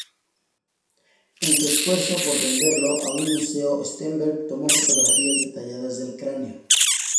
En su esfuerzo por venderlo a un museo, Sternberg tomó fotografías detalladas del cráneo.